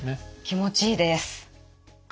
気持ちいいです。